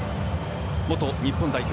元日本代表